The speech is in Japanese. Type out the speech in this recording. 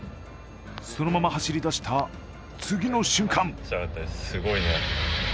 そのまま走り出した次の瞬間。